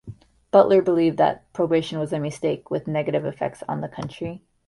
Butler believed that Prohibition was a mistake, with negative effects on the country.